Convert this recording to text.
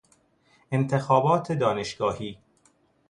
انتخابات دانشگاهی